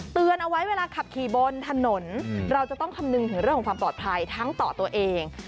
เตือนเอาไว้เวลาขับขี่บนถนนเราจะต้องคำนึงถึงเรื่องของความปลอดภัยทั้งต่อตัวเอง